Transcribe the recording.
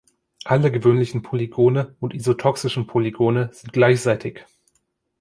Alle gewöhnlichen Polygone und isotoxischen Polygone sind gleichseitig.